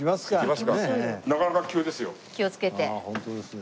なかなか急ですよ。